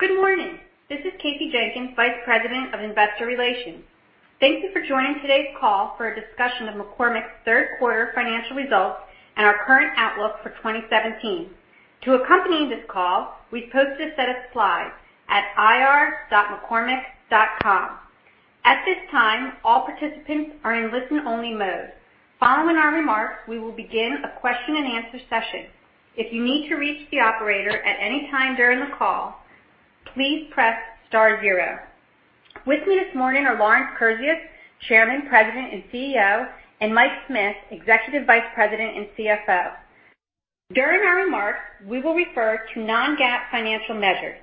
Good morning. This is Kasey Jenkins, vice president of investor relations. Thank you for joining today's call for a discussion of McCormick's third quarter financial results and our current outlook for 2017. To accompany this call, we've posted a set of slides at ir.mccormick.com. At this time, all participants are in listen only mode. Following our remarks, we will begin a question and answer session. If you need to reach the operator at any time during the call, please press star zero. With me this morning are Lawrence Kurzius, chairman, president, and CEO, and Mike Smith, executive vice president and CFO. During our remarks, we will refer to non-GAAP financial measures.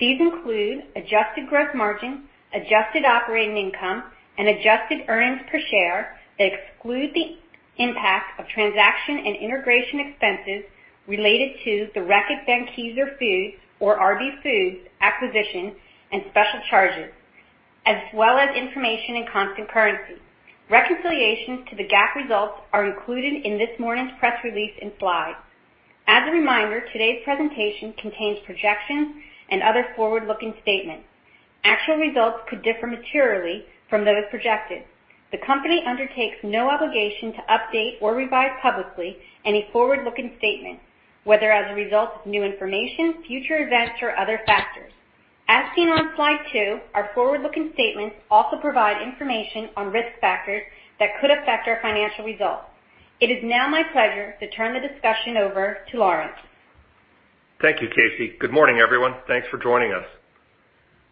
These include adjusted gross margin, adjusted operating income, and adjusted earnings per share that exclude the impact of transaction and integration expenses related to the Reckitt Benckiser foods or RB Foods acquisition and special charges, as well as information in constant currency. Reconciliations to the GAAP results are included in this morning's press release and slides. As a reminder, today's presentation contains projections and other forward-looking statements. Actual results could differ materially from those projected. The company undertakes no obligation to update or revise publicly any forward-looking statement, whether as a result of new information, future events, or other factors. As seen on slide two, our forward-looking statements also provide information on risk factors that could affect our financial results. It is now my pleasure to turn the discussion over to Lawrence. Thank you, Kasey. Good morning, everyone. Thanks for joining us.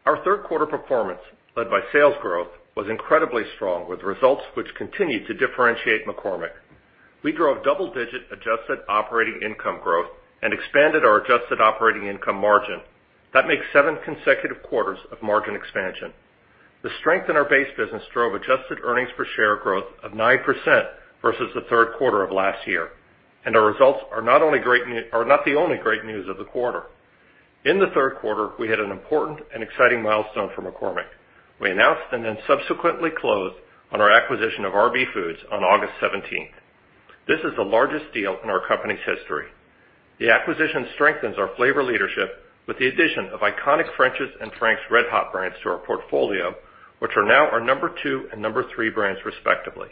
Our third quarter performance, led by sales growth, was incredibly strong with results which continue to differentiate McCormick. We drove double-digit adjusted operating income growth and expanded our adjusted operating income margin. That makes seven consecutive quarters of margin expansion. The strength in our base business drove adjusted earnings per share growth of 9% versus the third quarter of last year, and our results are not the only great news of the quarter. In the third quarter, we had an important and exciting milestone for McCormick. We announced and then subsequently closed on our acquisition of RB Foods on August 17th. This is the largest deal in our company's history. The acquisition strengthens our flavor leadership with the addition of iconic French's and Frank's RedHot brands to our portfolio, which are now our number 2 and number 3 brands, respectively.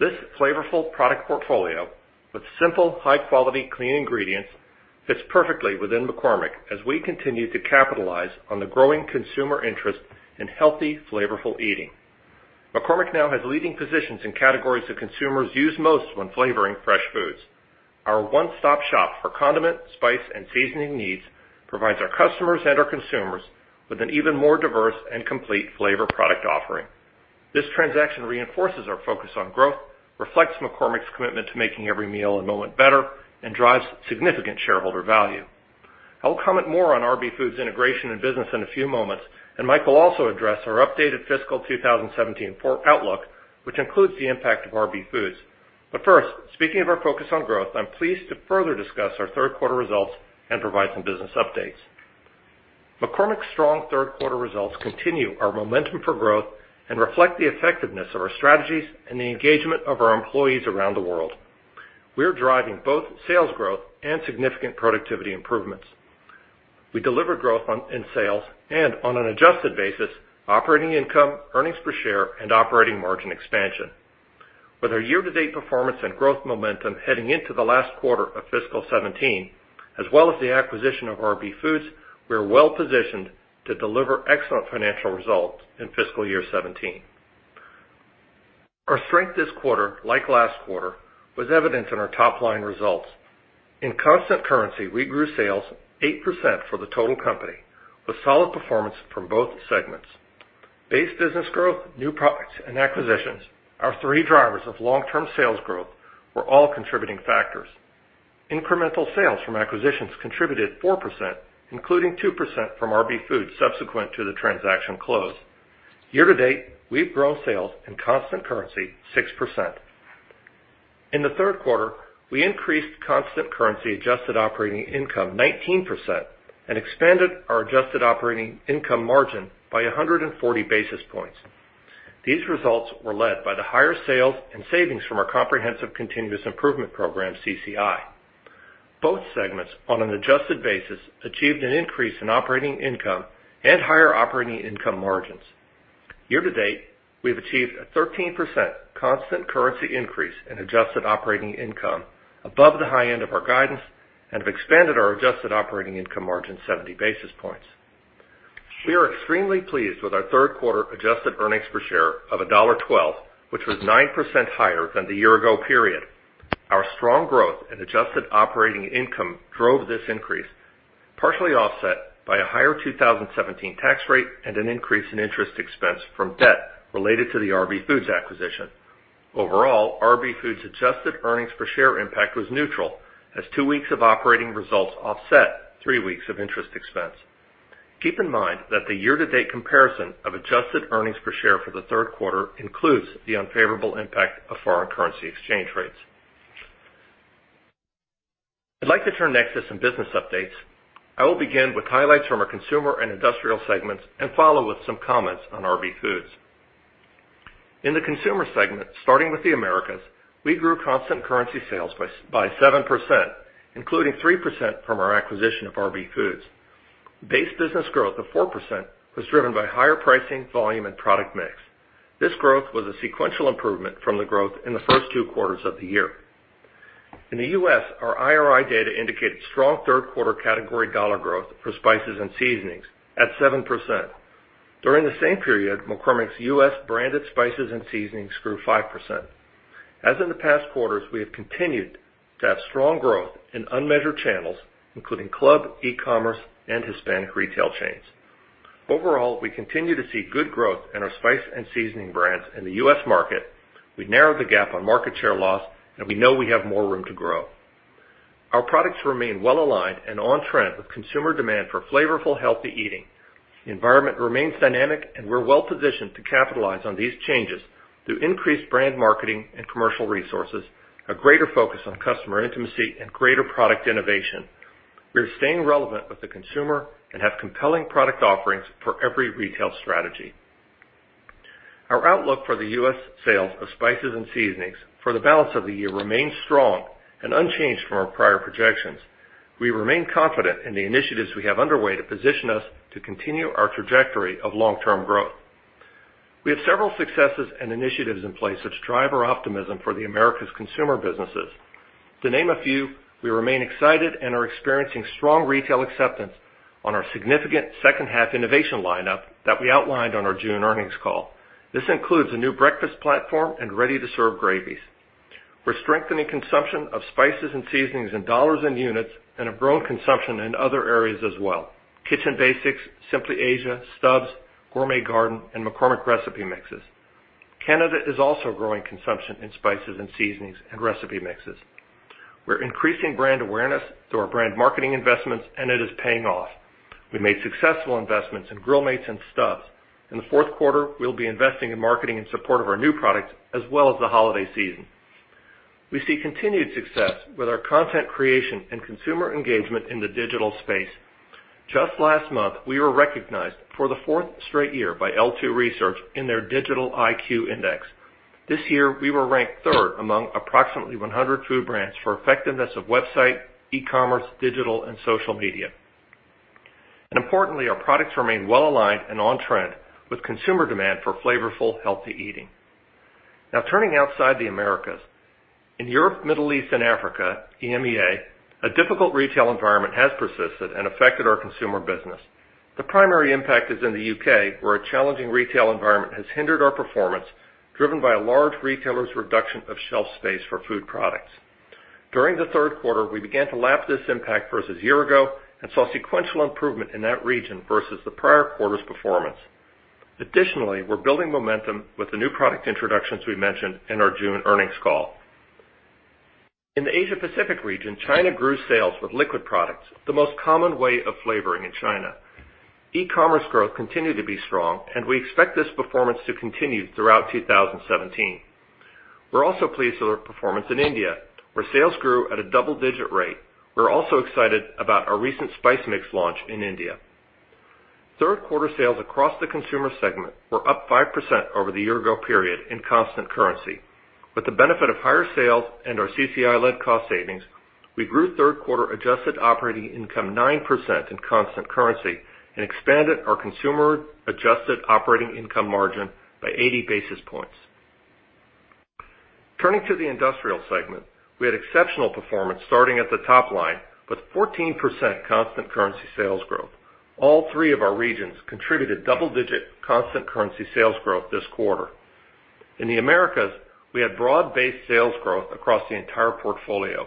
This flavorful product portfolio with simple, high quality, clean ingredients fits perfectly within McCormick as we continue to capitalize on the growing consumer interest in healthy, flavorful eating. McCormick now has leading positions in categories that consumers use most when flavoring fresh foods. Our one-stop shop for condiment, spice, and seasoning needs provides our customers and our consumers with an even more diverse and complete flavor product offering. This transaction reinforces our focus on growth, reflects McCormick's commitment to making every meal and moment better, and drives significant shareholder value. I will comment more on RB Foods integration and business in a few moments, and Mike will also address our updated fiscal 2017 outlook, which includes the impact of RB Foods. First, speaking of our focus on growth, I'm pleased to further discuss our third quarter results and provide some business updates. McCormick's strong third quarter results continue our momentum for growth and reflect the effectiveness of our strategies and the engagement of our employees around the world. We're driving both sales growth and significant productivity improvements. We deliver growth in sales and on an adjusted basis, operating income, earnings per share and operating margin expansion. With our year to date performance and growth momentum heading into the last quarter of fiscal 2017, as well as the acquisition of RB Foods, we are well positioned to deliver excellent financial results in fiscal year 2017. Our strength this quarter, like last quarter, was evident in our top line results. In constant currency, we grew sales 8% for the total company, with solid performance from both segments. Base business growth, new products, and acquisitions, our three drivers of long term sales growth, were all contributing factors. Incremental sales from acquisitions contributed 4%, including 2% from RB Foods subsequent to the transaction close. Year to date, we've grown sales in constant currency 6%. In the third quarter, we increased constant currency adjusted operating income 19% and expanded our adjusted operating income margin by 140 basis points. These results were led by the higher sales and savings from our comprehensive continuous improvement program, CCI. Both segments, on an adjusted basis, achieved an increase in operating income and higher operating income margins. Year to date, we have achieved a 13% constant currency increase in adjusted operating income above the high end of our guidance and have expanded our adjusted operating income margin 70 basis points. We are extremely pleased with our third quarter adjusted earnings per share of $1.12, which was 9% higher than the year ago period. Our strong growth in adjusted operating income drove this increase, partially offset by a higher 2017 tax rate and an increase in interest expense from debt related to the RB Foods acquisition. Overall, RB Foods adjusted earnings per share impact was neutral as two weeks of operating results offset three weeks of interest expense. Keep in mind that the year to date comparison of adjusted earnings per share for the third quarter includes the unfavorable impact of foreign currency exchange rates. I'd like to turn next to some business updates. I will begin with highlights from our consumer and industrial segments and follow with some comments on RB Foods. In the consumer segment, starting with the Americas, we grew constant currency sales by 7%, including 3% from our acquisition of RB Foods. Base business growth of 4% was driven by higher pricing, volume and product mix. This growth was a sequential improvement from the growth in the first two quarters of the year. In the U.S., our IRI data indicated strong third quarter category dollar growth for spices and seasonings at 7%. During the same period, McCormick's U.S. branded spices and seasonings grew 5%. As in the past quarters, we have continued to have strong growth in unmeasured channels, including club, e-commerce, and Hispanic retail chains. Overall, we continue to see good growth in our spice and seasoning brands in the U.S. market. We narrowed the gap on market share loss, and we know we have more room to grow. Our products remain well-aligned and on trend with consumer demand for flavorful, healthy eating. The environment remains dynamic, and we are well positioned to capitalize on these changes through increased brand marketing and commercial resources, a greater focus on customer intimacy, and greater product innovation. We are staying relevant with the consumer and have compelling product offerings for every retail strategy. Our outlook for the U.S. sales of spices and seasonings for the balance of the year remains strong and unchanged from our prior projections. We remain confident in the initiatives we have underway to position us to continue our trajectory of long-term growth. We have several successes and initiatives in place that drive our optimism for the Americas consumer businesses. To name a few, we remain excited and are experiencing strong retail acceptance on our significant second half innovation lineup that we outlined on our June earnings call. This includes a new breakfast platform and ready-to-serve gravies. We are strengthening consumption of spices and seasonings in dollars and units, and have grown consumption in other areas as well. Kitchen Basics, Simply Asia, Stubb's, Gourmet Garden, and McCormick recipe mixes. Canada is also growing consumption in spices and seasonings and recipe mixes. We are increasing brand awareness through our brand marketing investments, and it is paying off. We made successful investments in Grill Mates and Stubb's. In the fourth quarter, we will be investing in marketing in support of our new products, as well as the holiday season. We see continued success with our content creation and consumer engagement in the digital space. Just last month, we were recognized for the fourth straight year by L2 Inc. in their Digital IQ Index. This year, we were ranked third among approximately 100 food brands for effectiveness of website, e-commerce, digital, and social media. And importantly, our products remain well-aligned and on trend with consumer demand for flavorful, healthy eating. Now turning outside the Americas. In Europe, Middle East, and Africa, EMEA, a difficult retail environment has persisted and affected our consumer business. The primary impact is in the U.K., where a challenging retail environment has hindered our performance, driven by a large retailer's reduction of shelf space for food products. During the third quarter, we began to lap this impact versus year-ago and saw sequential improvement in that region versus the prior quarter's performance. Additionally, we are building momentum with the new product introductions we mentioned in our June earnings call. In the Asia-Pacific region, China grew sales with liquid products, the most common way of flavoring in China. E-commerce growth continued to be strong, and we expect this performance to continue throughout 2017. We are also pleased with our performance in India, where sales grew at a double-digit rate. We are also excited about our recent spice mix launch in India. Third quarter sales across the consumer segment were up 5% over the year-ago period in constant currency. With the benefit of higher sales and our CCI-led cost savings, we grew third quarter adjusted operating income 9% in constant currency and expanded our consumer adjusted operating income margin by 80 basis points. Turning to the Industrial segment, we had exceptional performance starting at the top line with 14% constant currency sales growth. All three of our regions contributed double-digit constant currency sales growth this quarter. In the Americas, we had broad-based sales growth across the entire portfolio.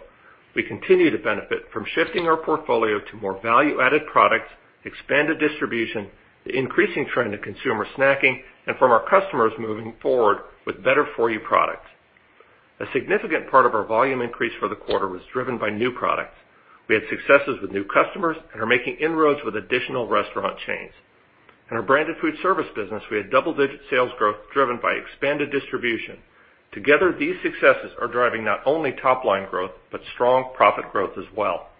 We continue to benefit from shifting our portfolio to more value-added products, expanded distribution, the increasing trend of consumer snacking, and from our customers moving forward with better-for-you products. A significant part of our volume increase for the quarter was driven by new products. We had successes with new customers and are making inroads with additional restaurant chains. In our branded food service business, we had double-digit sales growth driven by expanded distribution. Together, these successes are driving not only top-line growth, but strong profit growth as well.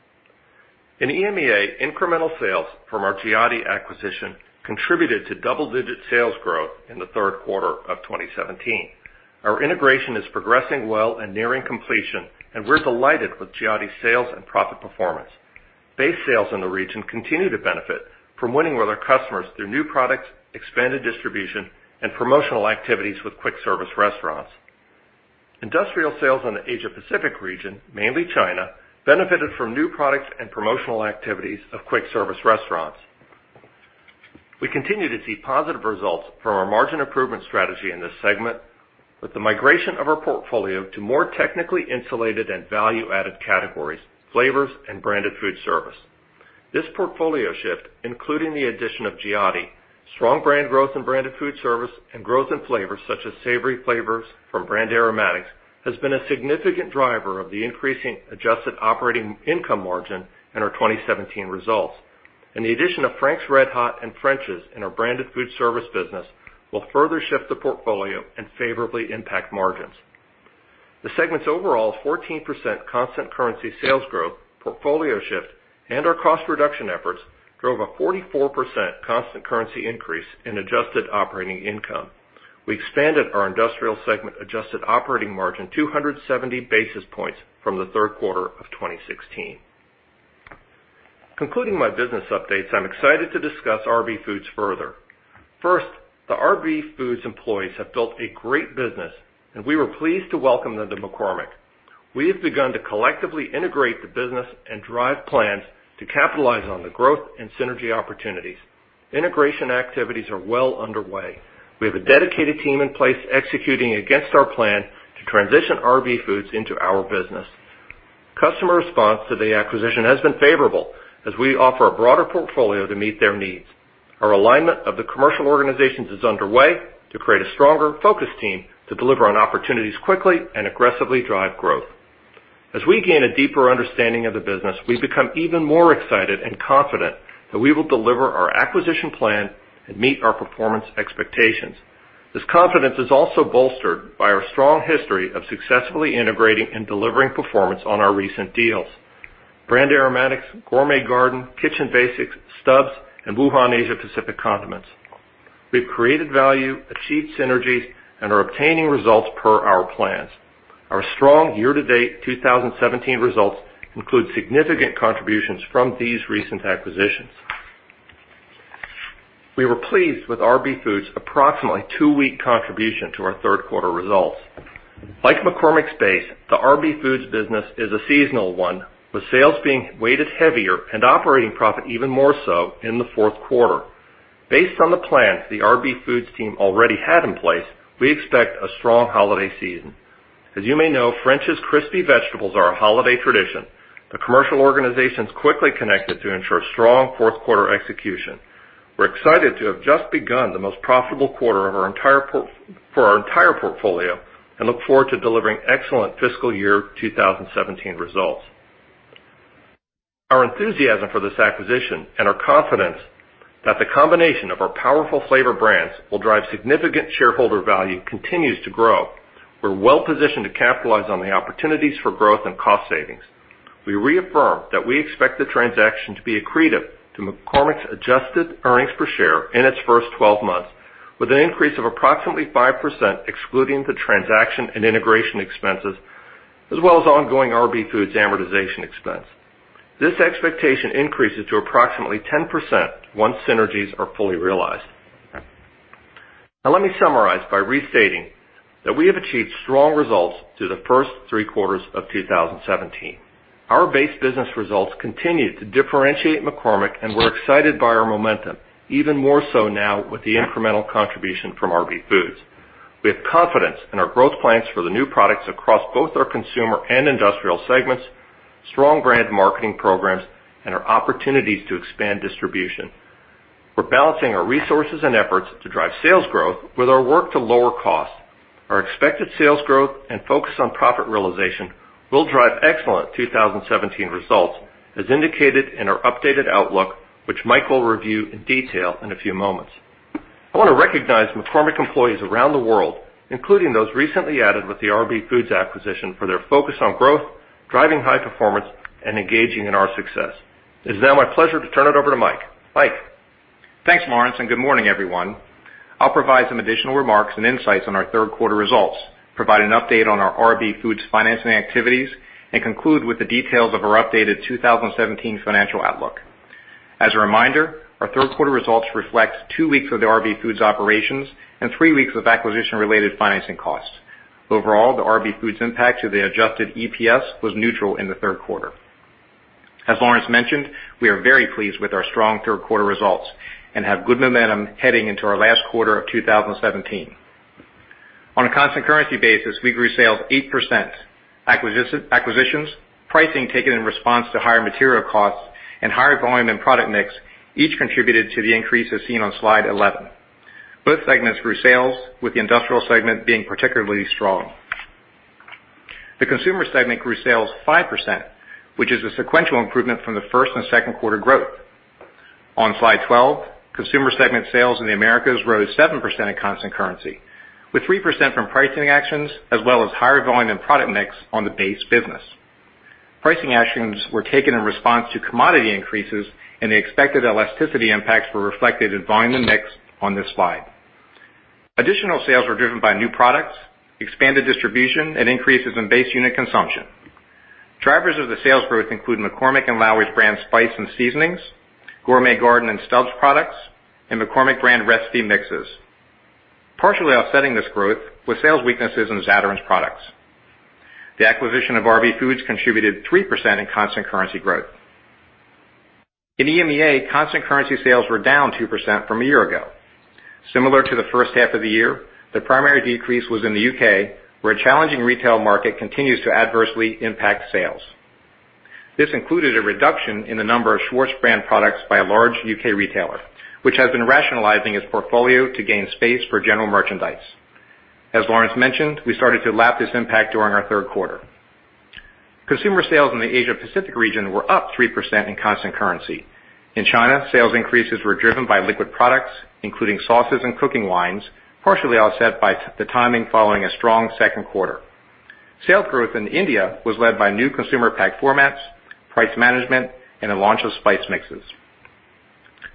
In EMEA, incremental sales from our Giotti acquisition contributed to double-digit sales growth in the third quarter of 2017. Our integration is progressing well and nearing completion, and we're delighted with Giotti's sales and profit performance. Base sales in the region continue to benefit from winning with our customers through new products, expanded distribution, and promotional activities with quick service restaurants. Industrial sales in the Asia Pacific region, mainly China, benefited from new products and promotional activities of quick service restaurants. We continue to see positive results from our margin improvement strategy in this segment with the migration of our portfolio to more technically insulated and value-added categories, flavors, and branded food service. This portfolio shift, including the addition of Giotti, strong brand growth in branded food service, and growth in flavors such as savory flavors from Brand Aromatics, has been a significant driver of the increasing adjusted operating income margin in our 2017 results. The addition of Frank's RedHot and French's in our branded food service business will further shift the portfolio and favorably impact margins. The segment's overall 14% constant currency sales growth, portfolio shift, and our cost reduction efforts drove a 44% constant currency increase in adjusted operating income. We expanded our industrial segment adjusted operating margin 270 basis points from the third quarter of 2016. Concluding my business updates, I'm excited to discuss RB Foods further. First, the RB Foods employees have built a great business, and we were pleased to welcome them to McCormick. We have begun to collectively integrate the business and drive plans to capitalize on the growth and synergy opportunities. Integration activities are well underway. We have a dedicated team in place executing against our plan to transition RB Foods into our business. Customer response to the acquisition has been favorable, as we offer a broader portfolio to meet their needs. Our alignment of the commercial organizations is underway to create a stronger focus team to deliver on opportunities quickly and aggressively drive growth. As we gain a deeper understanding of the business, we become even more excited and confident that we will deliver our acquisition plan and meet our performance expectations. This confidence is also bolstered by our strong history of successfully integrating and delivering performance on our recent deals. Brand Aromatics, Gourmet Garden, Kitchen Basics, Stubb's, and Wuhan Asia-Pacific Condiments. We've created value, achieved synergies, and are obtaining results per our plans. Our strong year-to-date 2017 results include significant contributions from these recent acquisitions. We were pleased with RB Foods' approximately two-week contribution to our third quarter results. Like McCormick's base, the RB Foods business is a seasonal one, with sales being weighted heavier and operating profit even more so in the fourth quarter. Based on the plans the RB Foods team already had in place, we expect a strong holiday season. As you may know, French's Crispy Fried Onions are a holiday tradition. The commercial organizations quickly connected to ensure strong fourth quarter execution. We're excited to have just begun the most profitable quarter for our entire portfolio, and look forward to delivering excellent fiscal year 2017 results. Our enthusiasm for this acquisition and our confidence that the combination of our powerful flavor brands will drive significant shareholder value continues to grow. We're well-positioned to capitalize on the opportunities for growth and cost savings. We reaffirm that we expect the transaction to be accretive to McCormick's adjusted earnings per share in its first 12 months, with an increase of approximately 5%, excluding the transaction and integration expenses, as well as ongoing RB Foods amortization expense. This expectation increases to approximately 10% once synergies are fully realized. Let me summarize by restating that we have achieved strong results through the first three quarters of 2017. Our base business results continue to differentiate McCormick, and we're excited by our momentum, even more so now with the incremental contribution from RB Foods. We have confidence in our growth plans for the new products across both our consumer and industrial segments, strong brand marketing programs, and our opportunities to expand distribution. We're balancing our resources and efforts to drive sales growth with our work to lower costs. Our expected sales growth and focus on profit realization will drive excellent 2017 results, as indicated in our updated outlook, which Mike will review in detail in a few moments. I want to recognize McCormick employees around the world, including those recently added with the RB Foods acquisition, for their focus on growth, driving high performance, and engaging in our success. It's now my pleasure to turn it over to Mike. Mike? Thanks, Lawrence, good morning, everyone. I'll provide some additional remarks and insights on our third quarter results, provide an update on our RB Foods financing activities, and conclude with the details of our updated 2017 financial outlook. As a reminder, our third quarter results reflect two weeks of the RB Foods operations and three weeks of acquisition-related financing costs. Overall, the RB Foods impact to the adjusted EPS was neutral in the third quarter. As Lawrence mentioned, we are very pleased with our strong third quarter results and have good momentum heading into our last quarter of 2017. On a constant currency basis, we grew sales 8%. Acquisitions, pricing taken in response to higher material costs, and higher volume and product mix each contributed to the increases seen on slide 11. Both segments grew sales, with the industrial segment being particularly strong. The consumer segment grew sales 5%, which is a sequential improvement from the first and second quarter growth. On slide 12, consumer segment sales in the Americas rose 7% in constant currency, with 3% from pricing actions, as well as higher volume and product mix on the base business. Pricing actions were taken in response to commodity increases, the expected elasticity impacts were reflected in volume mix on this slide. Additional sales were driven by new products, expanded distribution, and increases in base unit consumption. Drivers of the sales growth include McCormick and Lawry's brand spice and seasonings, Gourmet Garden and Stubb's products, and McCormick brand recipe mixes. Partially offsetting this growth was sales weaknesses in Zatarain's products. The acquisition of RB Foods contributed 3% in constant currency growth. In EMEA, constant currency sales were down 2% from a year ago. Similar to the first half of the year, the primary decrease was in the U.K., where a challenging retail market continues to adversely impact sales. This included a reduction in the number of Schwartz brand products by a large U.K. retailer, which has been rationalizing its portfolio to gain space for general merchandise. As Lawrence mentioned, we started to lap this impact during our third quarter. Consumer sales in the Asia Pacific region were up 3% in constant currency. In China, sales increases were driven by liquid products, including sauces and cooking wines, partially offset by the timing following a strong second quarter. Sales growth in India was led by new consumer pack formats, price management, and the launch of spice mixes.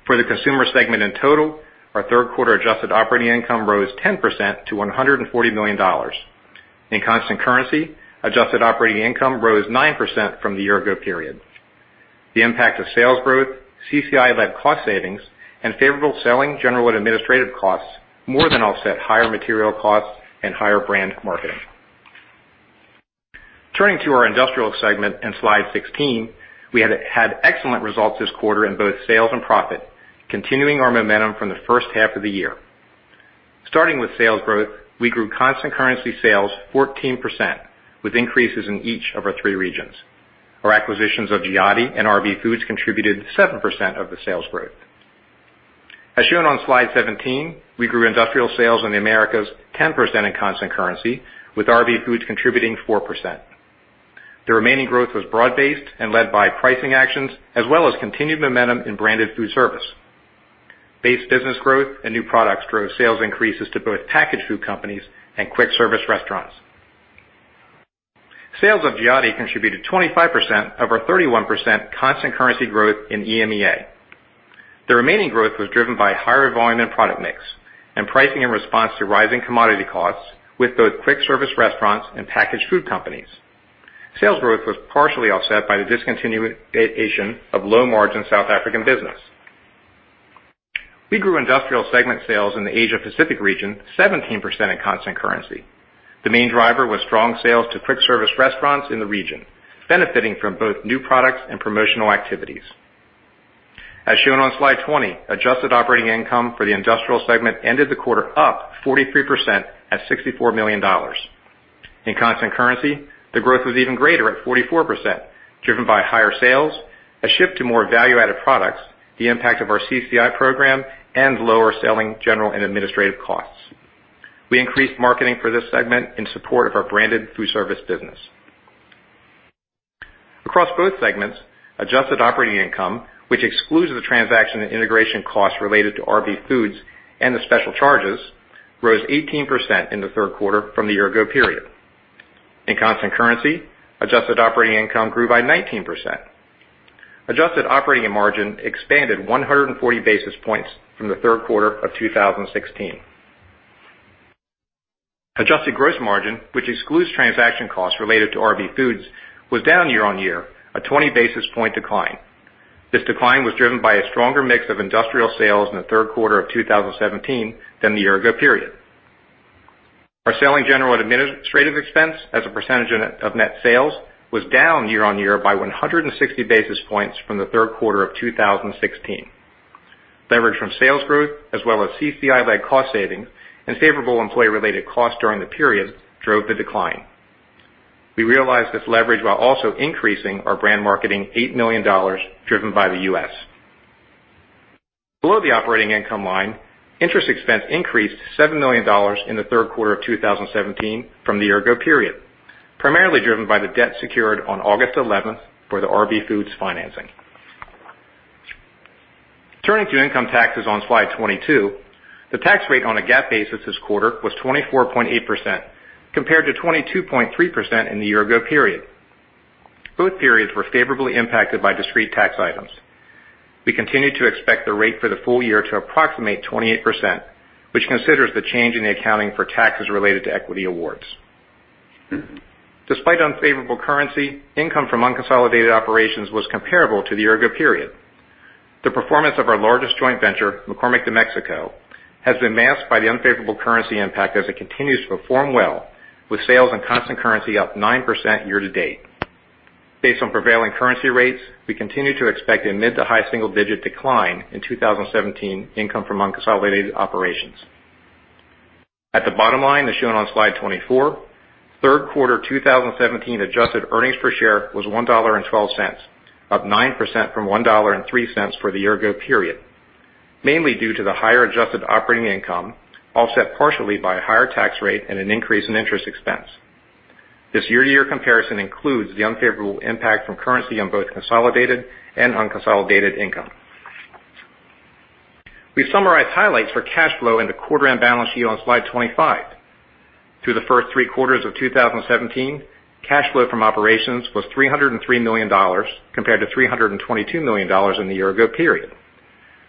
For the consumer segment in total, our third quarter adjusted operating income rose 10% to $140 million. In constant currency, adjusted operating income rose 9% from the year ago period. The impact of sales growth, CCI-led cost savings, and favorable selling, general, and administrative costs more than offset higher material costs and higher brand marketing. Turning to our industrial segment on slide 16, we had excellent results this quarter in both sales and profit, continuing our momentum from the first half of the year. Starting with sales growth, we grew constant currency sales 14%, with increases in each of our three regions. Our acquisitions of Giotti and RB Foods contributed 7% of the sales growth. As shown on slide 17, we grew industrial sales in the Americas 10% in constant currency, with RB Foods contributing 4%. The remaining growth was broad-based and led by pricing actions, as well as continued momentum in branded food service. Base business growth and new products drove sales increases to both packaged food companies and quick-service restaurants. Sales of Giotti contributed 25% of our 31% constant currency growth in EMEA. The remaining growth was driven by higher volume and product mix and pricing in response to rising commodity costs, with both quick-service restaurants and packaged food companies. Sales growth was partially offset by the discontinuation of low-margin South African business. We grew industrial segment sales in the Asia Pacific region 17% in constant currency. The main driver was strong sales to quick-service restaurants in the region, benefiting from both new products and promotional activities. As shown on slide 20, adjusted operating income for the industrial segment ended the quarter up 43% at $64 million. In constant currency, the growth was even greater at 44%, driven by higher sales, a shift to more value-added products, the impact of our CCI program, and lower selling, general, and administrative costs. We increased marketing for this segment in support of our branded food service business. Across both segments, adjusted operating income, which excludes the transaction and integration costs related to RB Foods and the special charges, rose 18% in the third quarter from the year-ago period. In constant currency, adjusted operating income grew by 19%. Adjusted operating margin expanded 140 basis points from the third quarter of 2016. Adjusted gross margin, which excludes transaction costs related to RB Foods, was down year-on-year, a 20 basis point decline. This decline was driven by a stronger mix of industrial sales in the third quarter of 2017 than the year-ago period. Our selling, general, and administrative expense as a percentage of net sales was down year-on-year by 160 basis points from the third quarter of 2016. Leverage from sales growth, as well as CCI-led cost savings and favorable employee-related costs during the period drove the decline. We realized this leverage while also increasing our brand marketing, $8 million, driven by the U.S. Below the operating income line, interest expense increased to $7 million in the third quarter of 2017 from the year-ago period, primarily driven by the debt secured on August 11th for the RB Foods financing. Turning to income taxes on slide 22, the tax rate on a GAAP basis this quarter was 24.8%, compared to 22.3% in the year-ago period. Both periods were favorably impacted by discrete tax items. We continue to expect the rate for the full year to approximate 28%, which considers the change in the accounting for taxes related to equity awards. Despite unfavorable currency, income from unconsolidated operations was comparable to the year-ago period. The performance of our largest joint venture, McCormick de Mexico, has been masked by the unfavorable currency impact as it continues to perform well, with sales and constant currency up 9% year-to-date. Based on prevailing currency rates, we continue to expect a mid to high single-digit decline in 2017 income from unconsolidated operations. At the bottom line, as shown on slide 24, third quarter 2017 adjusted earnings per share was $1.12, up 9% from $1.03 for the year-ago period, mainly due to the higher adjusted operating income, offset partially by a higher tax rate and an increase in interest expense. This year-to-year comparison includes the unfavorable impact from currency on both consolidated and unconsolidated income. We've summarized highlights for cash flow and the quarter-end balance sheet on slide 25. Through the first three quarters of 2017, cash flow from operations was $303 million, compared to $322 million in the year-ago period.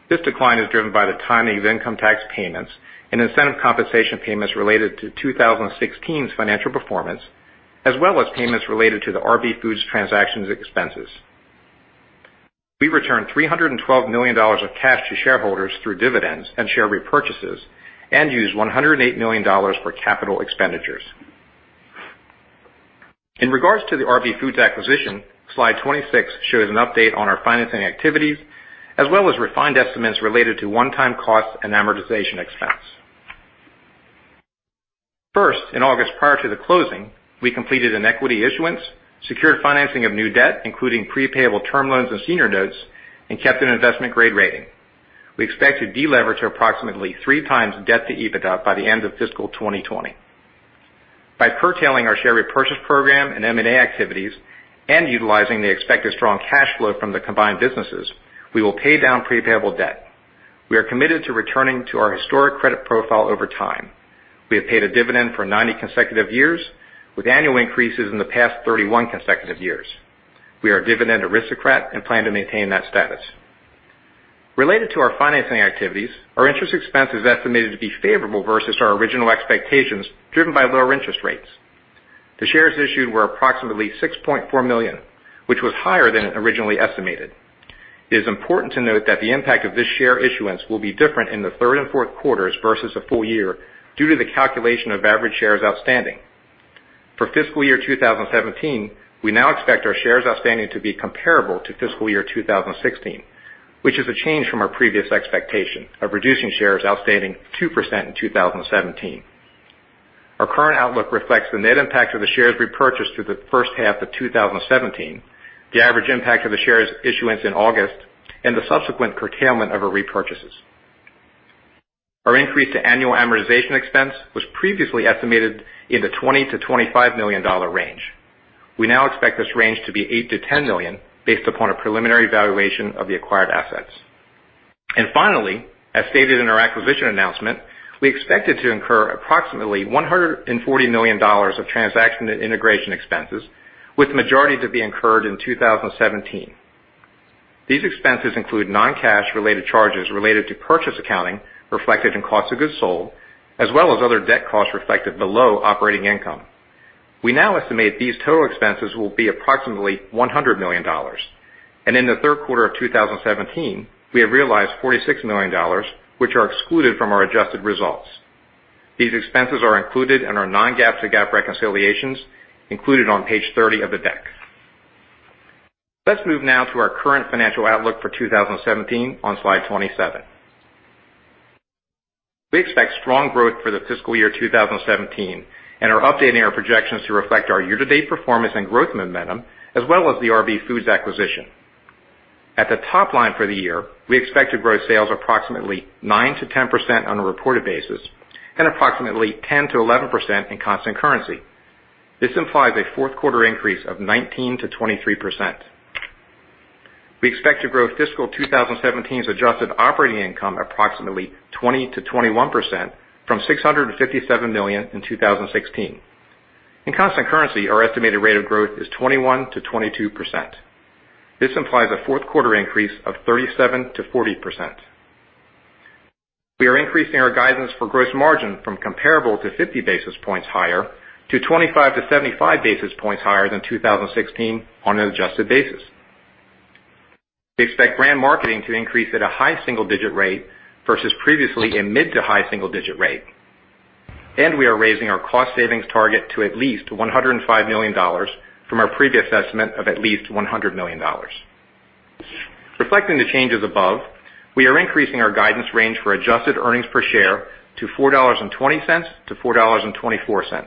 This decline is driven by the timing of income tax payments and incentive compensation payments related to 2016's financial performance, as well as payments related to the RB Foods transactions expenses. We returned $312 million of cash to shareholders through dividends and share repurchases and used $108 million for capital expenditures. In regards to the RB Foods acquisition, slide 26 shows an update on our financing activities, as well as refined estimates related to one-time costs and amortization expense. First, in August, prior to the closing, we completed an equity issuance, secured financing of new debt, including pre-payable term loans and senior notes, and kept an investment-grade rating. We expect to delever to approximately 3 times debt to EBITDA by the end of fiscal 2020. By curtailing our share repurchase program and M&A activities and utilizing the expected strong cash flow from the combined businesses, we will pay down pre-payable debt. We are committed to returning to our historic credit profile over time. We have paid a dividend for 90 consecutive years, with annual increases in the past 31 consecutive years. We are a Dividend Aristocrat and plan to maintain that status. Related to our financing activities, our interest expense is estimated to be favorable versus our original expectations, driven by lower interest rates. The shares issued were approximately 6.4 million, which was higher than originally estimated. It is important to note that the impact of this share issuance will be different in the third and fourth quarters versus a full year due to the calculation of average shares outstanding. For fiscal year 2017, we now expect our shares outstanding to be comparable to fiscal year 2016, which is a change from our previous expectation of reducing shares outstanding 2% in 2017. Our current outlook reflects the net impact of the shares repurchased through the first half of 2017, the average impact of the shares issuance in August, and the subsequent curtailment of our repurchases. Our increase to annual amortization expense was previously estimated in the $20 million-$25 million range. We now expect this range to be $8 million-$10 million based upon a preliminary valuation of the acquired assets. Finally, as stated in our acquisition announcement, we expected to incur approximately $140 million of transaction and integration expenses, with the majority to be incurred in 2017. These expenses include non-cash related charges related to purchase accounting reflected in cost of goods sold, as well as other debt costs reflected below operating income. We now estimate these total expenses will be approximately $100 million. In the third quarter of 2017, we have realized $46 million, which are excluded from our adjusted results. These expenses are included in our non-GAAP to GAAP reconciliations included on page 30 of the deck. Let's move now to our current financial outlook for 2017 on slide 27. We expect strong growth for the fiscal year 2017 and are updating our projections to reflect our year-to-date performance and growth momentum, as well as the RB Foods acquisition. At the top line for the year, we expect to grow sales approximately 9%-10% on a reported basis and approximately 10%-11% in constant currency. This implies a fourth quarter increase of 19%-23%. We expect to grow fiscal 2017's adjusted operating income approximately 20%-21% from $657 million in 2016. In constant currency, our estimated rate of growth is 21%-22%. This implies a fourth quarter increase of 37%-40%. We are increasing our guidance for gross margin from comparable to 50 basis points higher to 25-75 basis points higher than 2016 on an adjusted basis. We expect brand marketing to increase at a high single-digit rate versus previously a mid to high single-digit rate. We are raising our cost savings target to at least $105 million from our previous estimate of at least $100 million. Reflecting the changes above, we are increasing our guidance range for adjusted earnings per share to $4.20-$4.24.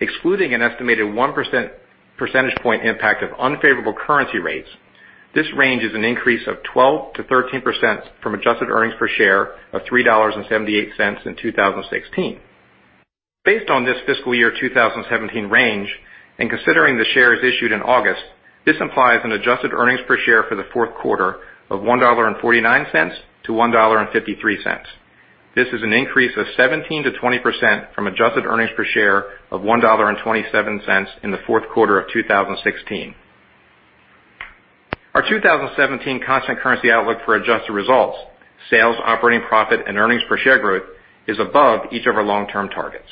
Excluding an estimated 1% percentage point impact of unfavorable currency rates, this range is an increase of 12%-13% from adjusted earnings per share of $3.78 in 2016. Based on this fiscal year 2017 range and considering the shares issued in August, this implies an adjusted earnings per share for the fourth quarter of $1.49-$1.53. This is an increase of 17%-20% from adjusted earnings per share of $1.27 in the fourth quarter of 2016. Our 2017 constant currency outlook for adjusted results, sales, operating profit, and earnings per share growth is above each of our long-term targets.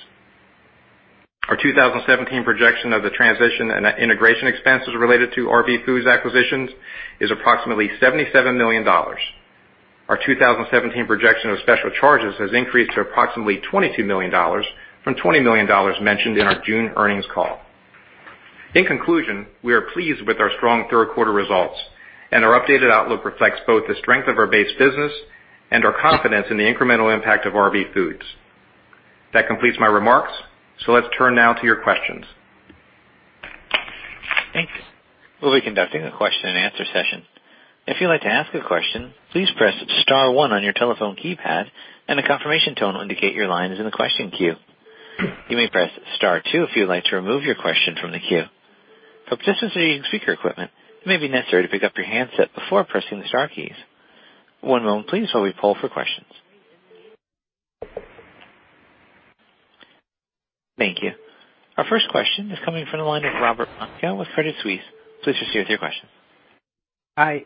Our 2017 projection of the transition and integration expenses related to RB Foods acquisitions is approximately $77 million. Our 2017 projection of special charges has increased to approximately $22 million from $20 million mentioned in our June earnings call. In conclusion, we are pleased with our strong third quarter results, and our updated outlook reflects both the strength of our base business and our confidence in the incremental impact of RB Foods. That completes my remarks. Let's turn now to your questions. Thanks. We'll be conducting a question and answer session. If you'd like to ask a question, please press *1 on your telephone keypad. A confirmation tone will indicate your line is in the question queue. You may press *2 if you would like to remove your question from the queue. For participants using speaker equipment, it may be necessary to pick up your handset before pressing the star keys. One moment please while we poll for questions. Thank you. Our first question is coming from the line of Robert Moskow with Credit Suisse. Please proceed with your question. Hey,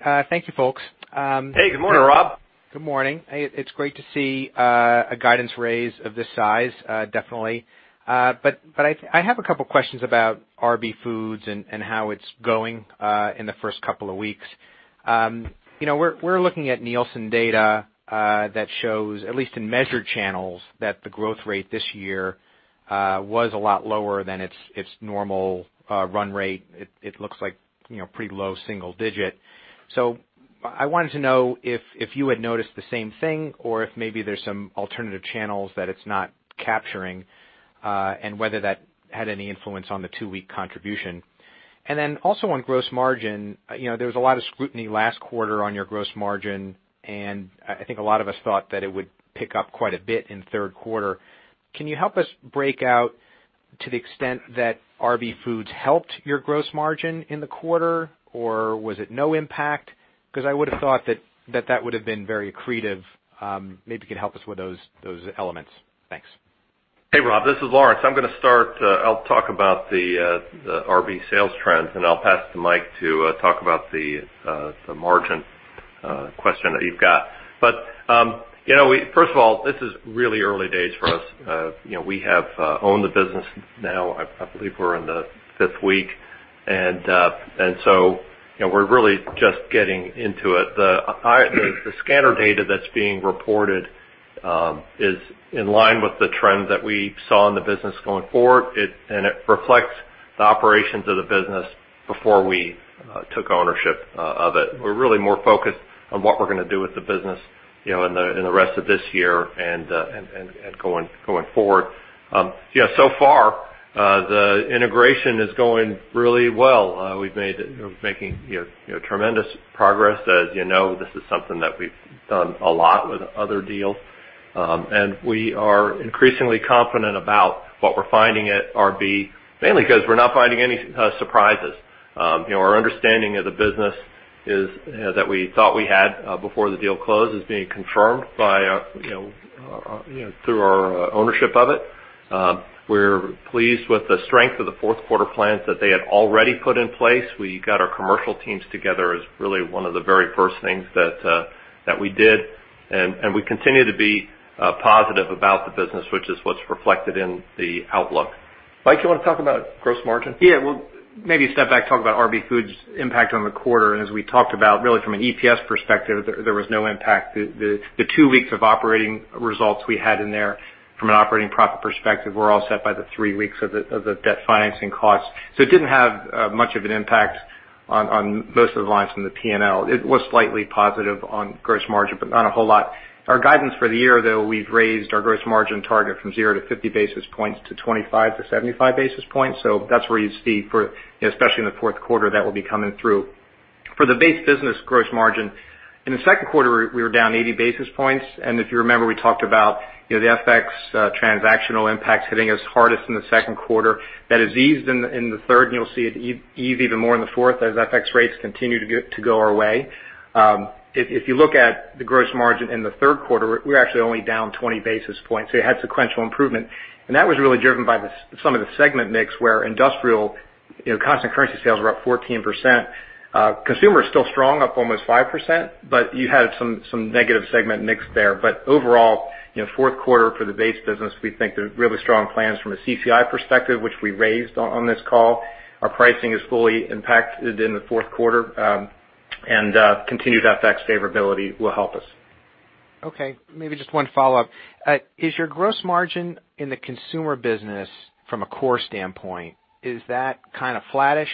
good morning, Rob. Good morning. It's great to see a guidance raise of this size, definitely. I have a couple questions about RB Foods and how it's going in the first couple of weeks. We're looking at Nielsen data that shows, at least in measured channels, that the growth rate this year was a lot lower than its normal run rate. It looks like pretty low single digit. I wanted to know if you had noticed the same thing or if maybe there's some alternative channels that it's not capturing, and whether that had any influence on the two-week contribution. Also on gross margin, there was a lot of scrutiny last quarter on your gross margin, and I think a lot of us thought that it would pick up quite a bit in the third quarter. Can you help us break out to the extent that RB Foods helped your gross margin in the quarter, or was it no impact? I would've thought that that would've been very accretive. Maybe you could help us with those elements. Thanks. Hey, Rob. This is Lawrence. I'm going to start. I'll talk about the RB sales trends, and I'll pass to Mike to talk about the margin question that you've got. First of all, this is really early days for us. We have owned the business now, I believe we're in the fifth week. We're really just getting into it. The scanner data that's being reported is in line with the trends that we saw in the business going forward. It reflects the operations of the business before we took ownership of it. We're really more focused on what we're going to do with the business in the rest of this year and going forward. So far, the integration is going really well. We're making tremendous progress. As you know, this is something that we've done a lot with other deals. We are increasingly confident about what we're finding at RB, mainly because we're not finding any surprises. Our understanding of the business that we thought we had before the deal closed is being confirmed through our ownership of it. We're pleased with the strength of the fourth quarter plans that they had already put in place. We got our commercial teams together as really one of the very first things that we did. We continue to be positive about the business, which is what's reflected in the outlook. Mike, you want to talk about gross margin? Yeah. Well, maybe a step back, talk about RB Foods' impact on the quarter. As we talked about, really from an EPS perspective, there was no impact. The two weeks of operating results we had in there from an operating profit perspective were offset by the three weeks of the debt financing costs. It didn't have much of an impact on most of the lines from the P&L. It was slightly positive on gross margin, but not a whole lot. Our guidance for the year, though, we've raised our gross margin target from 0 to 50 basis points to 25 to 75 basis points. That's where you see, especially in the fourth quarter, that will be coming through. For the base business gross margin, in the second quarter, we were down 80 basis points. If you remember, we talked about the FX transactional impacts hitting us hardest in the second quarter. That has eased in the third, and you'll see it ease even more in the fourth as FX rates continue to go our way. If you look at the gross margin in the third quarter, we're actually only down 20 basis points, you had sequential improvement. That was really driven by some of the segment mix where industrial constant currency sales were up 14%. Consumer is still strong, up almost 5%, you had some negative segment mix there. Overall, fourth quarter for the base business, we think there are really strong plans from a CCI perspective, which we raised on this call. Our pricing is fully impacted in the fourth quarter, continued FX favorability will help us. Okay, maybe just one follow-up. Is your gross margin in the consumer business from a core standpoint, is that kind of flattish?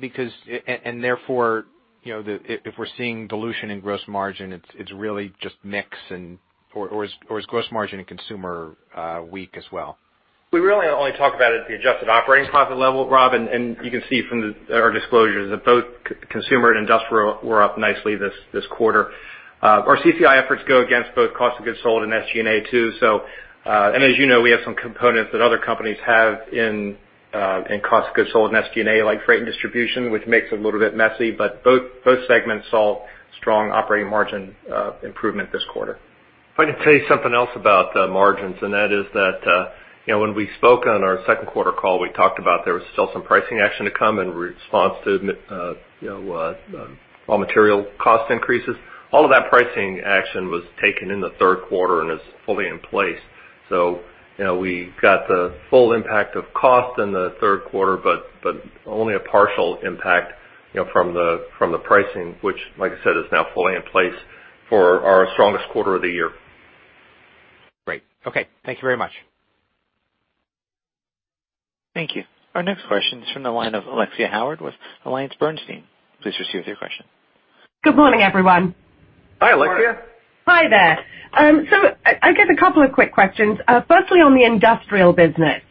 Therefore, if we're seeing dilution in gross margin, it's really just mix, is gross margin in consumer weak as well? We really only talk about it at the adjusted operating profit level, Rob, you can see from our disclosures that both consumer and industrial were up nicely this quarter. Our CCI efforts go against both cost of goods sold and SG&A too. As you know, we have some components that other companies have in cost of goods sold and SG&A, like freight and distribution, which makes it a little bit messy, both segments saw strong operating margin improvement this quarter. If I can tell you something else about the margins, and that is that when we spoke on our second quarter call, we talked about there was still some pricing action to come in response to raw material cost increases. All of that pricing action was taken in the third quarter and is fully in place. We got the full impact of cost in the third quarter, but only a partial impact from the pricing, which, like I said, is now fully in place for our strongest quarter of the year. Great. Okay. Thank you very much. Thank you. Our next question is from the line of Alexia Howard with AllianceBernstein. Please proceed with your question. Good morning, everyone. Hi, Alexia. Lawrence. Hi there. I guess a couple of quick questions. Firstly, on the industrial business.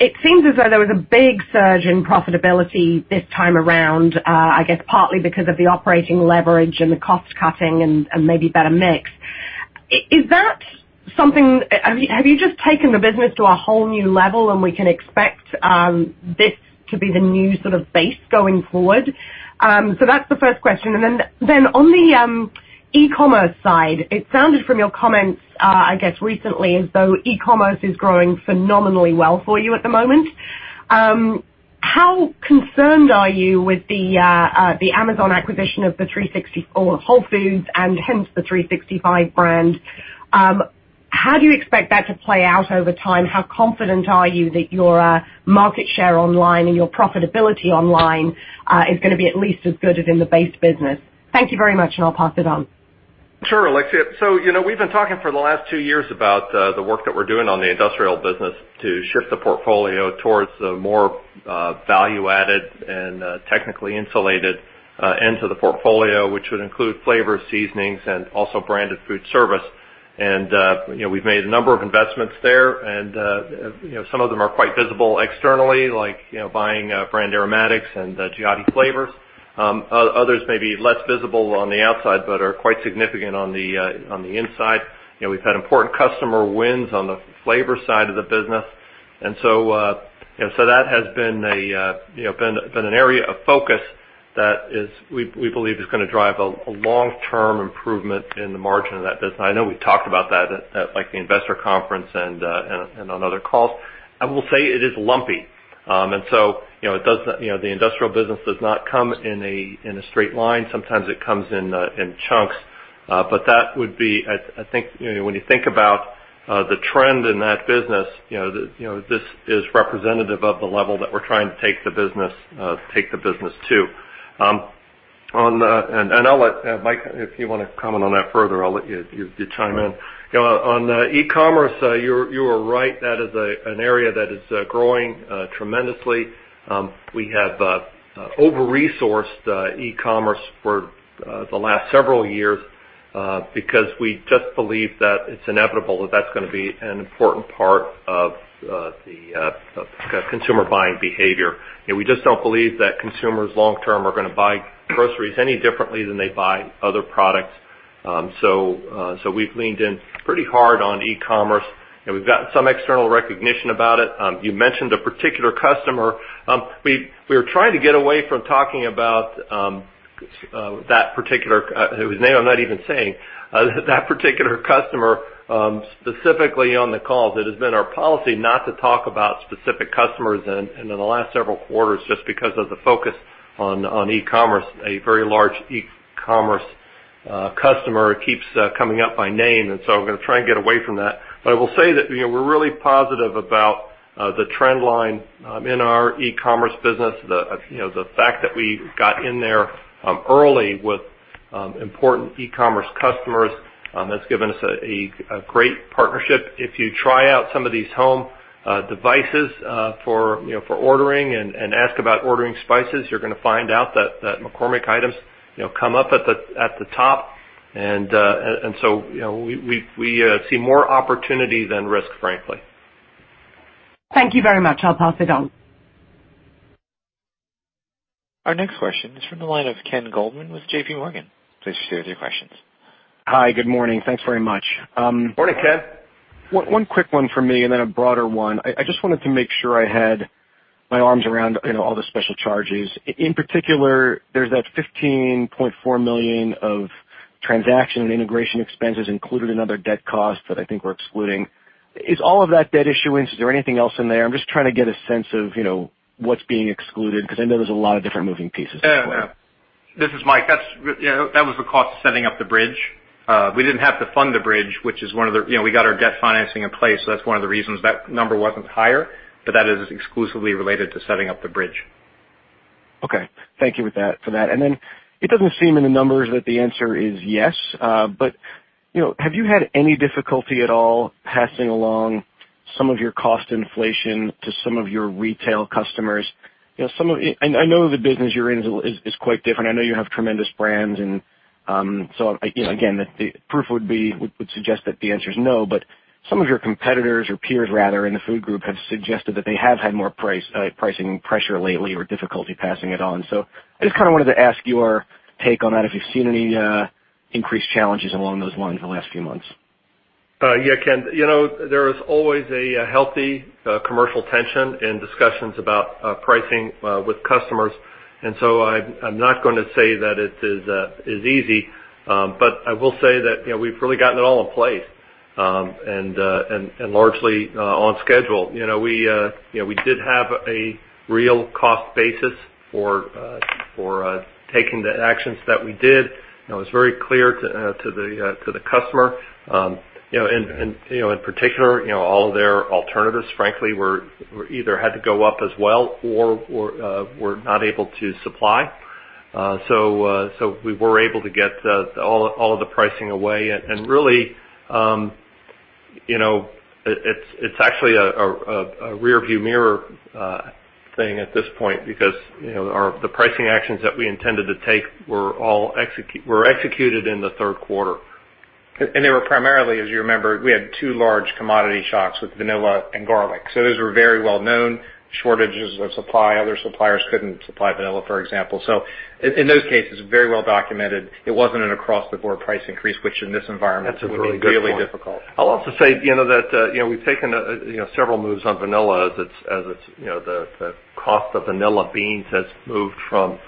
It seems as though there was a big surge in profitability this time around, I guess partly because of the operating leverage and the cost cutting and maybe better mix. Have you just taken the business to a whole new level and we can expect this to be the new sort of base going forward? That's the first question. On the e-commerce side, it sounded from your comments, I guess, recently as though e-commerce is growing phenomenally well for you at the moment. How concerned are you with the Amazon acquisition of Whole Foods and hence the 365 brand? How do you expect that to play out over time? How confident are you that your market share online and your profitability online is going to be at least as good as in the base business? Thank you very much, and I'll pass it on. Sure, Alexia. We've been talking for the last two years about the work that we're doing on the industrial business to shift the portfolio towards the more value-added and technically insulated ends of the portfolio, which would include flavor, seasonings, and also branded food service. We've made a number of investments there, some of them are quite visible externally, like buying Brand Aromatics and Giotti Flavors. Others may be less visible on the outside but are quite significant on the inside. We've had important customer wins on the flavor side of the business. That has been an area of focus that we believe is going to drive a long-term improvement in the margin of that business. I know we've talked about that at the investor conference and on other calls. I will say it is lumpy. The industrial business does not come in a straight line. Sometimes it comes in chunks. That would be, I think, when you think about the trend in that business, this is representative of the level that we're trying to take the business to. Mike, if you want to comment on that further, I'll let you chime in. On e-commerce, you are right. That is an area that is growing tremendously. We have over-resourced e-commerce for the last several years because we just believe that it's inevitable that that's going to be an important part of the consumer buying behavior. We just don't believe that consumers long term are going to buy groceries any differently than they buy other products. We've leaned in pretty hard on e-commerce, and we've gotten some external recognition about it. You mentioned a particular customer. We are trying to get away from talking about that particular customer, specifically on the calls. It has been our policy not to talk about specific customers in the last several quarters just because of the focus on e-commerce. A very large e-commerce customer keeps coming up by name, I'm going to try and get away from that. I will say that we're really positive about the trend line in our e-commerce business. The fact that we got in there early with important e-commerce customers has given us a great partnership. If you try out some of these home devices for ordering and ask about ordering spices, you're going to find out that McCormick items come up at the top. We see more opportunity than risk, frankly. Thank you very much. I'll pass it on. Our next question is from the line of Ken Goldman with JPMorgan. Please share your questions. Hi. Good morning. Thanks very much. Morning, Ken. One quick one for me and then a broader one. I just wanted to make sure I had my arms around all the special charges. In particular, there's that $15.4 million of transaction and integration expenses included in other debt costs that I think we're excluding. Is all of that debt issuance, is there anything else in there? I'm just trying to get a sense of what's being excluded, because I know there's a lot of different moving pieces at play. Yeah. This is Mike. That was the cost of setting up the bridge. We didn't have to fund the bridge, we got our debt financing in place. That's one of the reasons that number wasn't higher. That is exclusively related to setting up the bridge. Thank you for that. It doesn't seem in the numbers that the answer is yes, but have you had any difficulty at all passing along some of your cost inflation to some of your retail customers? I know the business you're in is quite different. I know you have tremendous brands. Again, the proof would suggest that the answer is no, but some of your competitors, or peers rather, in the food group have suggested that they have had more pricing pressure lately or difficulty passing it on. I just wanted to ask your take on that, if you've seen any increased challenges along those lines in the last few months. Yeah, Ken. There is always a healthy commercial tension in discussions about pricing with customers. I'm not going to say that it is easy, but I will say that we've really gotten it all in place, and largely on schedule. We did have a real cost basis for taking the actions that we did, and it was very clear to the customer. In particular, all of their alternatives, frankly, either had to go up as well or were not able to supply. We were able to get all of the pricing away, and really, it's actually a rearview mirror thing at this point because the pricing actions that we intended to take were executed in the third quarter. They were primarily, as you remember, we had two large commodity shocks with vanilla and garlic. Those were very well-known shortages of supply. Other suppliers couldn't supply vanilla, for example. In those cases, very well documented, it wasn't an across-the-board price increase, which in this environment would be really difficult. I'll also say that we've taken several moves on vanilla as the cost of vanilla beans has moved from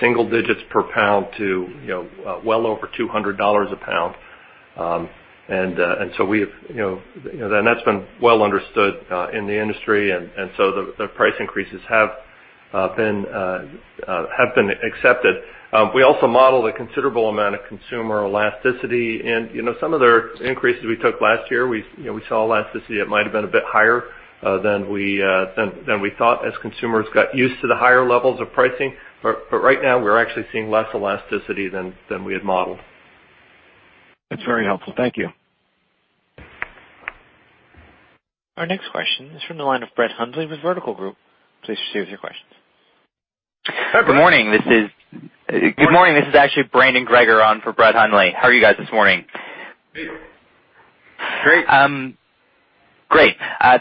single digits per pound to well over $200 a pound. That's been well understood in the industry, the price increases have been accepted. We also modeled a considerable amount of consumer elasticity. Some of the increases we took last year, we saw elasticity that might have been a bit higher than we thought as consumers got used to the higher levels of pricing. Right now, we're actually seeing less elasticity than we had modeled. That's very helpful. Thank you. Our next question is from the line of Brett Hundley with Vertical Group. Please proceed with your questions. Hi, Brett. Good morning. This is actually Brandon Grorud on for Brett Hundley. How are you guys this morning? Great. Great.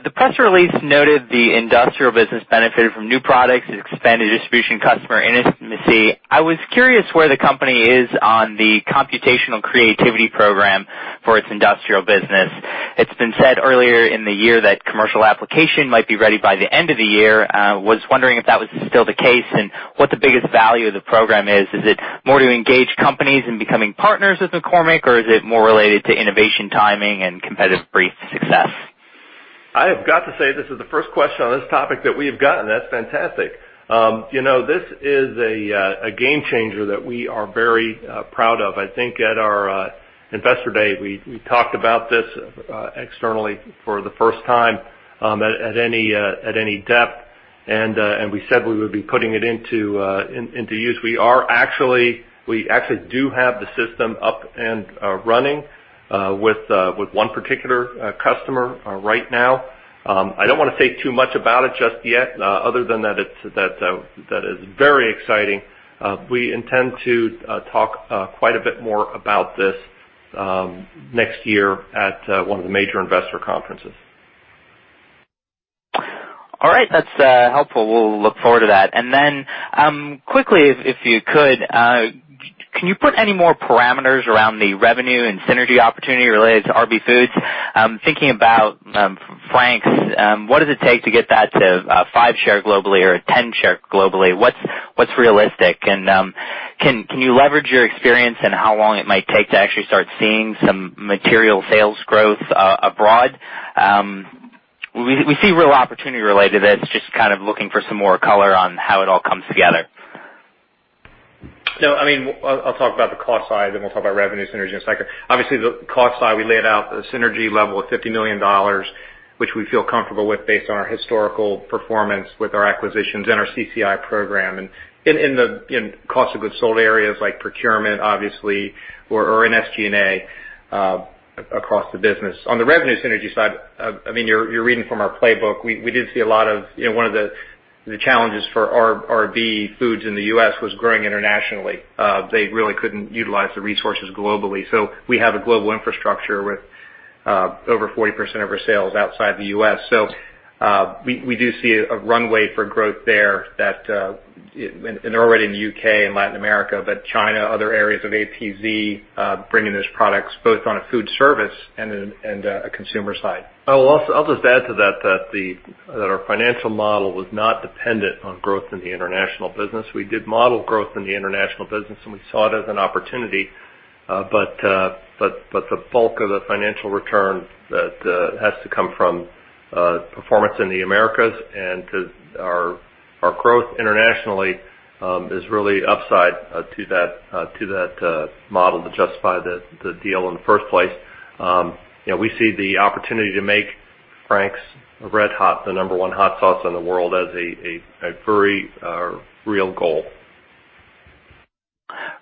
The press release noted the industrial business benefited from new products and expanded distribution customer intimacy. I was curious where the company is on the computational creativity program for its industrial business. It's been said earlier in the year that commercial application might be ready by the end of the year. I was wondering if that was still the case and what the biggest value of the program is. Is it more to engage companies in becoming partners with McCormick, or is it more related to innovation timing and competitive brief success? I have got to say, this is the first question on this topic that we have gotten. That's fantastic. This is a game changer that we are very proud of. I think at our investor day, we talked about this externally for the first time at any depth and we said we would be putting it into use. We actually do have the system up and running with one particular customer right now. I don't want to say too much about it just yet, other than that it's very exciting. We intend to talk quite a bit more about this next year at one of the major investor conferences. All right. That's helpful. We'll look forward to that. Quickly, if you could, can you put any more parameters around the revenue and synergy opportunity related to RB Foods? Thinking about Frank's, what does it take to get that to a five share globally or a 10 share globally? What's realistic? Can you leverage your experience in how long it might take to actually start seeing some material sales growth abroad? We see real opportunity related to this, just looking for some more color on how it all comes together. I'll talk about the cost side, then we'll talk about revenue synergy in a second. Obviously, the cost side, we laid out the synergy level of $50 million, which we feel comfortable with based on our historical performance with our acquisitions and our CCI program, and in cost of goods sold areas like procurement, obviously, or in SG&A across the business. On the revenue synergy side, you're reading from our playbook. One of the challenges for RB Foods in the U.S. was growing internationally. They really couldn't utilize the resources globally. We have a global infrastructure with over 40% of our sales outside the U.S. We do see a runway for growth there, and they're already in the U.K. and Latin America, but China, other areas of APAC, bringing those products both on a food service and a consumer side. I'll just add to that our financial model was not dependent on growth in the international business. We did model growth in the international business, and we saw it as an opportunity. The bulk of the financial return has to come from performance in the Americas, and our growth internationally is really upside to that model to justify the deal in the first place. We see the opportunity to make Frank's RedHot the number one hot sauce in the world as a very real goal.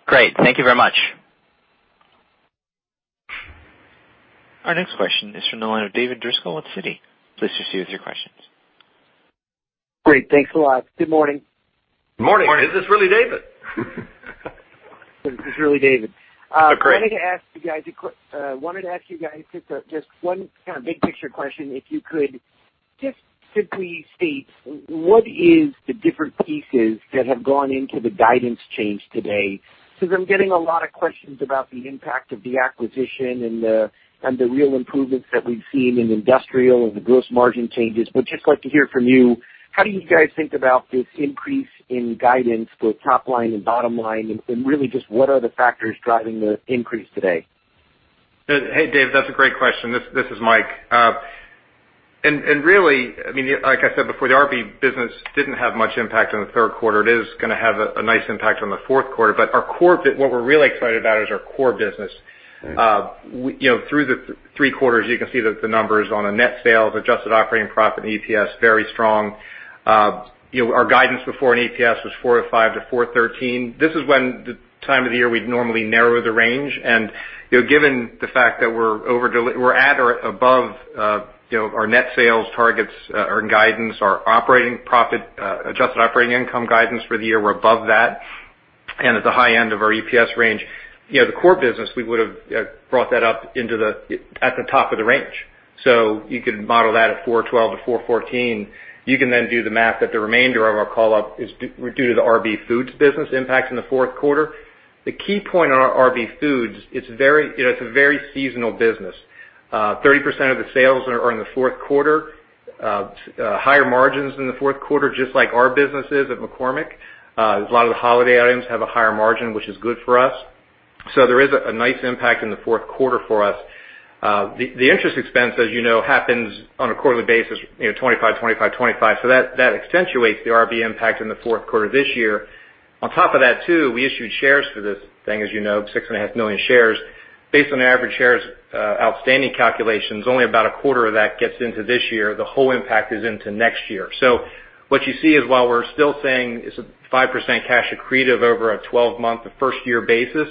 Great. Thank you very much. Our next question is from the line of David Driscoll with Citi. Please proceed with your questions. Great. Thanks a lot. Good morning. Morning. Is this really David? This is really David. Great. Wanted to ask you guys just one big picture question, if you could just simply state what are the different pieces that have gone into the guidance change today? I'm getting a lot of questions about the impact of the acquisition and the real improvements that we've seen in industrial and the gross margin changes. Just like to hear from you, how do you guys think about this increase in guidance for top line and bottom line, and really just what are the factors driving the increase today? Hey, Dave, that's a great question. This is Mike. Really, like I said before, the RB business didn't have much impact on the third quarter. It is going to have a nice impact on the fourth quarter. What we're really excited about is our core business. Through the three quarters, you can see that the numbers on the net sales, adjusted operating profit and EPS, very strong. Our guidance before in EPS was $4.05-$4.13. This is when the time of the year we'd normally narrow the range. Given the fact that we're at or above our net sales targets or guidance, our adjusted operating income guidance for the year, we're above that and at the high end of our EPS range. The core business, we would've brought that up at the top of the range. You could model that at $4.12-$4.14. You can do the math that the remainder of our call-up is due to the RB Foods business impact in the fourth quarter. The key point on our RB Foods, it's a very seasonal business. 30% of the sales are in the fourth quarter. Higher margins in the fourth quarter, just like our business is at McCormick. A lot of the holiday items have a higher margin, which is good for us. There is a nice impact in the fourth quarter for us. The interest expense, as you know, happens on a quarterly basis, $25. That accentuates the RB impact in the fourth quarter this year. On top of that too, we issued shares for this thing, as you know, six and a half million shares. Based on the average shares outstanding calculations, only about a quarter of that gets into this year. What you see is while we're still saying it's a 5% cash accretive over a 12-month, a first year basis,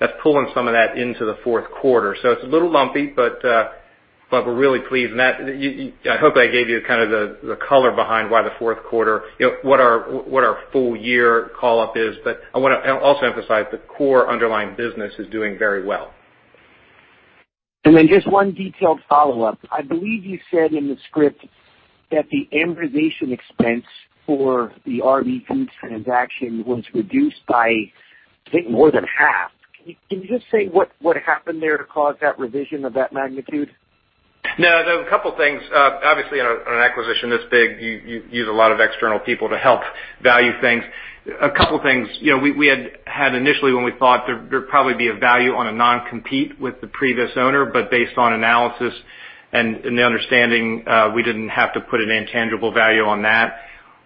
that's pulling some of that into the fourth quarter. It's a little lumpy, but we're really pleased. I hope I gave you the color behind why the fourth quarter, what our full year call-up is. I want to also emphasize the core underlying business is doing very well. Just one detailed follow-up. I believe you said in the script that the amortization expense for the RB Foods transaction was reduced by, I think, more than half. Can you just say what happened there to cause that revision of that magnitude? No, a couple things. Obviously, on an acquisition this big, you use a lot of external people to help value things. A couple things. We had initially when we thought there'd probably be a value on a non-compete with the previous owner, but based on analysis and the understanding, we didn't have to put an intangible value on that.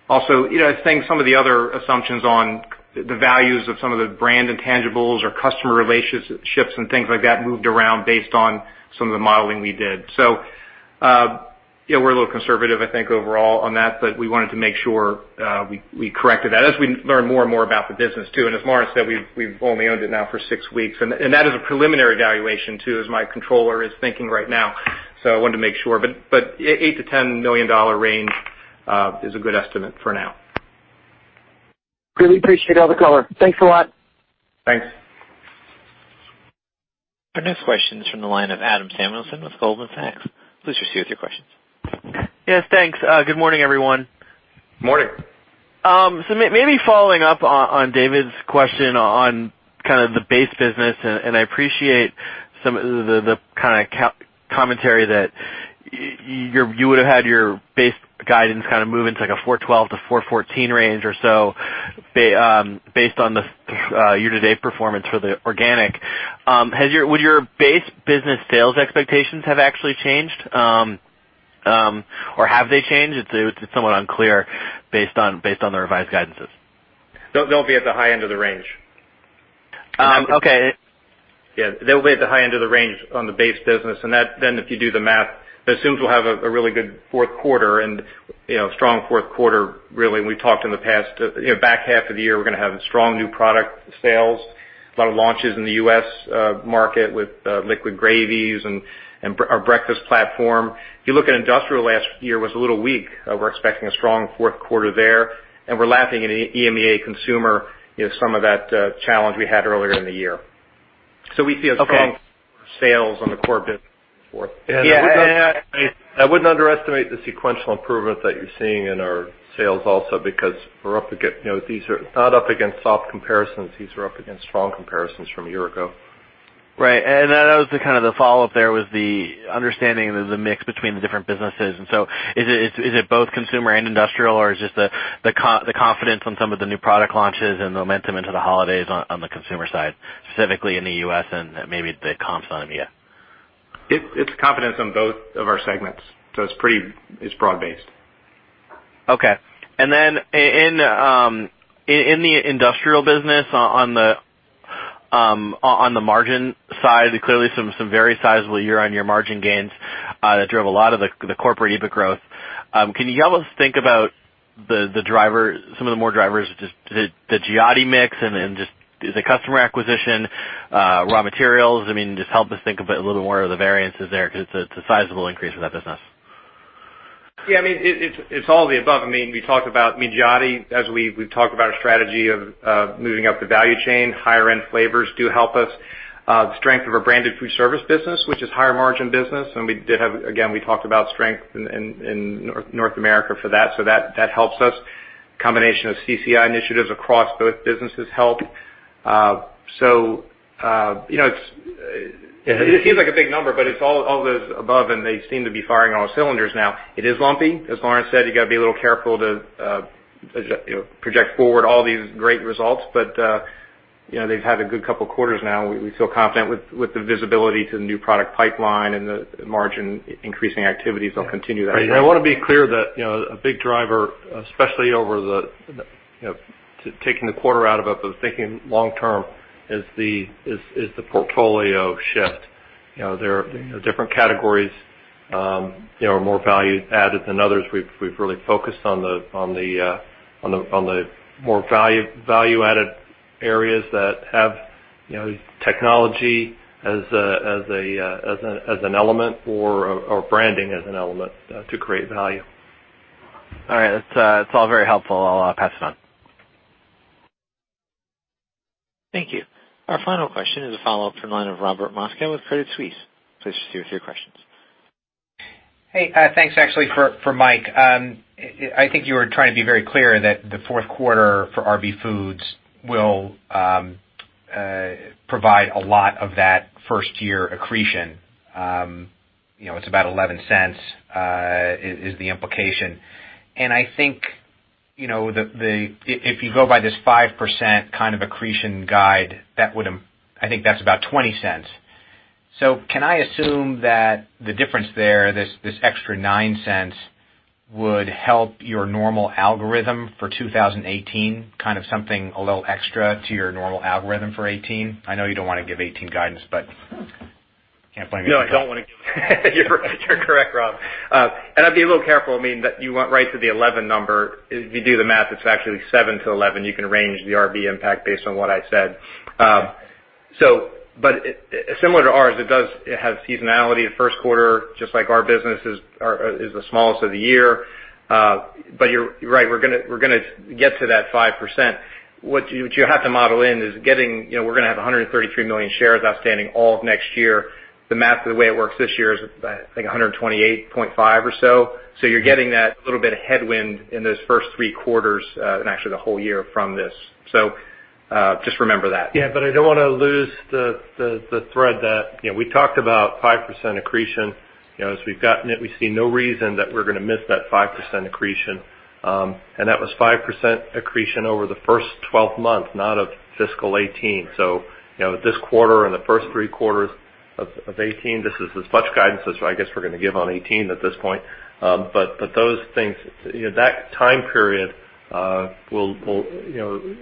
Also, I think some of the other assumptions on the values of some of the brand intangibles or customer relationships and things like that moved around based on some of the modeling we did. We're a little conservative, I think, overall on that, but we wanted to make sure we corrected that as we learn more and more about the business, too. As Lawrence said, we've only owned it now for six weeks. That is a preliminary valuation, too, as my controller is thinking right now. I wanted to make sure. $8 million-$10 million range is a good estimate for now. Really appreciate all the color. Thanks a lot. Thanks. Our next question is from the line of Adam Samuelson with Goldman Sachs. Please proceed with your questions. Thanks. Good morning, everyone. Morning. maybe following up on David's question on the base business, and I appreciate some of the commentary that you would've had your base guidance move into like a $4.12-$4.14 range or so based on the year-to-date performance for the organic. Would your base business sales expectations have actually changed? Or have they changed? It's somewhat unclear based on the revised guidances. They'll be at the high end of the range. Okay. They'll be at the high end of the range on the base business, if you do the math, that assumes we'll have a really good fourth quarter and a strong fourth quarter, really. We talked in the past, back half of the year, we're going to have strong new product sales, a lot of launches in the U.S. market with liquid gravies and our breakfast platform. If you look at industrial last year, it was a little weak. We're expecting a strong fourth quarter there, and we're lapping in EMEA Consumer, some of that challenge we had earlier in the year. We see a strong sales on the core business fourth. Yeah. I wouldn't underestimate the sequential improvement that you're seeing in our sales also because these are not up against soft comparisons. These are up against strong comparisons from a year ago. Right. That was the follow-up there was the understanding of the mix between the different businesses. Is it both consumer and industrial, or is just the confidence on some of the new product launches and momentum into the holidays on the consumer side, specifically in the U.S. and maybe the comps on EMEA? It's confidence on both of our segments. It's broad based. Okay. Then in the industrial business on the margin side, clearly some very sizable year-on-year margin gains that drove a lot of the corporate EBIT growth. Can you help us think about some of the more drivers, just the Giotti mix and just the customer acquisition, raw materials? Just help us think of it a little more of the variances there because it's a sizable increase in that business. It's all of the above. We talk about Giotti as we talk about our strategy of moving up the value chain. Higher end flavors do help us. The strength of our branded food service business, which is higher margin business, and we did have, again, we talked about strength in North America for that, so that helps us. Combination of CCI initiatives across both businesses help. It seems like a big number, but it's all those above, and they seem to be firing on all cylinders now. It is lumpy. As Lawrence said, you got to be a little careful to project forward all these great results. They've had a good couple of quarters now, and we feel confident with the visibility to the new product pipeline and the margin increasing activities will continue that. Right. I want to be clear that a big driver, especially over the Taking the quarter out of it, but thinking long term is the portfolio shift. There are different categories that are more value added than others. We've really focused on the more value added areas that have technology as an element or branding as an element to create value. All right. That's all very helpful. I'll pass it on. Thank you. Our final question is a follow-up from the line of Robert Moskow with Credit Suisse. Please proceed with your questions. Hey, thanks actually for Mike. I think you were trying to be very clear that the fourth quarter for RB Foods will provide a lot of that first year accretion. It's about $0.11, is the implication. I think, if you go by this 5% accretion guide, I think that's about $0.20. Can I assume that the difference there, this extra $0.09 would help your normal algorithm for 2018, something a little extra to your normal algorithm for 2018? I know you don't want to give 2018 guidance. Can't blame you at all. No, I don't want to give it back. You're correct, Rob. I'd be a little careful, you went right to the 11 number. If you do the math, it's actually seven to 11. You can range the RB impact based on what I said. Similar to ours, it does have seasonality in first quarter, just like our business is the smallest of the year. You're right, we're gonna get to that 5%. What you have to model in is getting, we're gonna have 133 million shares outstanding all of next year. The math, the way it works this year is, I think, 128.5 or so. You're getting that little bit of headwind in those first three quarters, and actually the whole year from this. Just remember that. I don't want to lose the thread that we talked about 5% accretion. As we've gotten it, we see no reason that we're gonna miss that 5% accretion. That was 5% accretion over the first 12 months, not of fiscal 2018. This quarter and the first three quarters of 2018, this is as much guidance as I guess we're gonna give on 2018 at this point. Those things, that time period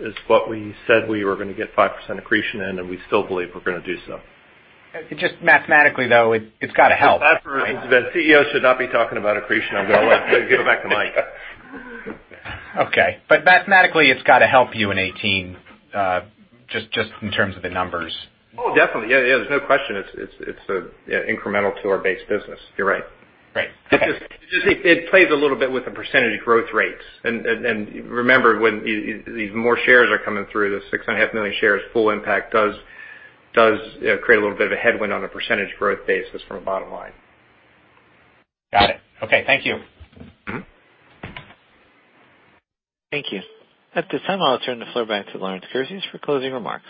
is what we said we were gonna get 5% accretion in, and we still believe we're gonna do so. Just mathematically, though, it's got to help, right? It's time for the CEO should not be talking about accretion. I'm gonna let give it back to Mike. Mathematically, it's got to help you in 2018, just in terms of the numbers. Oh, definitely. Yeah. There's no question. It's incremental to our base business. You're right. Right. Okay. It plays a little bit with the percentage growth rates. When these more shares are coming through, the 6.5 million shares, full impact does create a little bit of a headwind on a percentage growth basis from a bottom line. Got it. Okay. Thank you. Thank you. At this time, I'll turn the floor back to Lawrence Kurzius for closing remarks.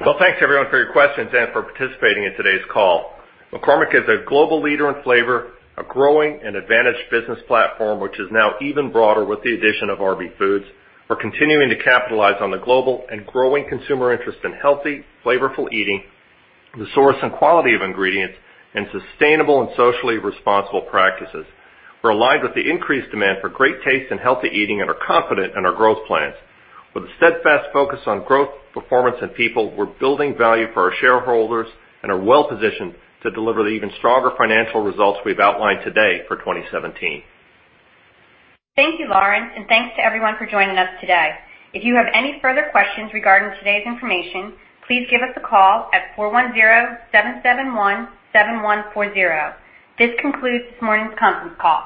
Well, thanks everyone for your questions and for participating in today's call. McCormick is a global leader in flavor, a growing and advantaged business platform, which is now even broader with the addition of RB Foods. We're continuing to capitalize on the global and growing consumer interest in healthy, flavorful eating, the source and quality of ingredients, and sustainable and socially responsible practices. We're aligned with the increased demand for great taste and healthy eating and are confident in our growth plans. With a steadfast focus on growth, performance, and people, we're building value for our shareholders and are well-positioned to deliver the even stronger financial results we've outlined today for 2017. Thank you, Lawrence, and thanks to everyone for joining us today. If you have any further questions regarding today's information, please give us a call at 410-771-7140. This concludes this morning's conference call.